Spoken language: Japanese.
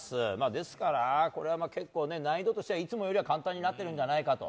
ですから、これは結構難易度としてはいつもよりは簡単になっているんじゃないかと。